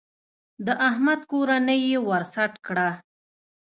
د احمد کورنۍ يې ور سټ کړه.